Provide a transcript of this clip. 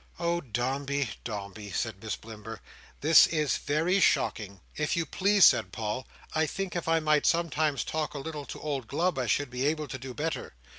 "Oh, Dombey, Dombey!" said Miss Blimber, "this is very shocking." "If you please," said Paul, "I think if I might sometimes talk a little to old Glubb, I should be able to do better."